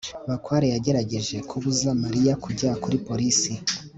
bakware yagerageje kubuza mariya kujya kuri polisi